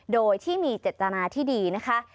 โดยที่มีเจตนาที่ดีนะคะ